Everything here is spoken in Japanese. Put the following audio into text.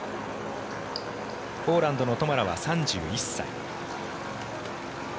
ポーランドのトマラは３１歳。